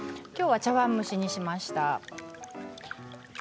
きょうは茶わん蒸しにしました。